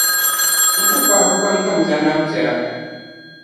N ku kɔhiri kpam ka m biɛhi lan piɛla.